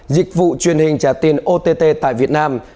dịch vụ truyền hình trả tiền ott tại việt nam